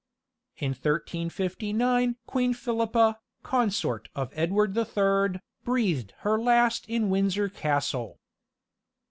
In 1359 Queen Philippa, consort of Edward the Third, breathed her last in Windsor Castle.